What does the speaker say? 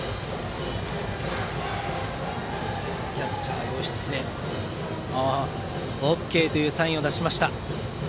キャッチャー、義経。ＯＫ！というサインを出しました。